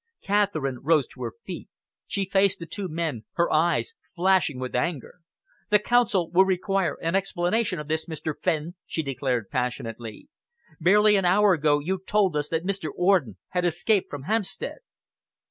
Catherine rose to her feet. She faced the two men, her eyes flashing with anger. "The Council will require an explanation of this, Mr. Fenn!" she declared passionately. "Barely an hour ago you told us that Mr. Orden had escaped from Hampstead."